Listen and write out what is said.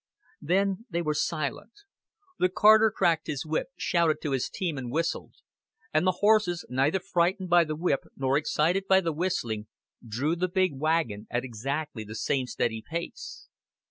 Then they were silent. The carter cracked his whip, shouted to his team, and whistled; and the horses, neither frightened by the whip nor excited by the whistling, drew the big wagon at exactly the same steady pace.